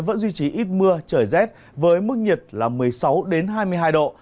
vẫn duy trì ít mưa trời rét với mức nhiệt là một mươi sáu hai mươi hai độ